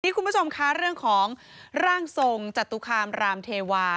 คุณผู้ชมคะเรื่องของร่างทรงจตุคามรามเทวา